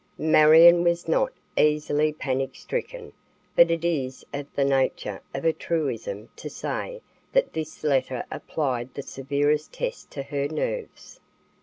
Marion was not easily panic stricken, but it is of the nature of a truism to say that this letter applied the severest test to her nerves.